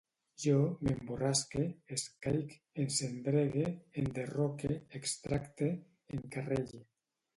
Jo m'emborrasque, escaic, encendregue, enderroque, extracte, encarrelle